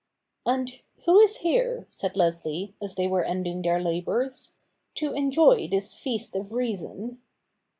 ' And who is here,' said Leslie, as they were ending their labours, ' to enjoy this feast of reason